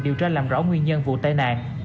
điều tra làm rõ nguyên nhân vụ tai nạn